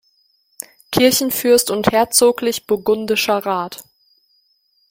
Kirchenfürst und herzoglich-burgundischer Rat".